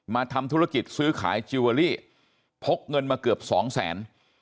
ทำธุรกิจซื้อขายจิลเวอรี่พกเงินมาเกือบสองแสน